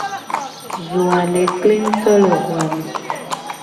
Zo a le kle nguto le xo a me.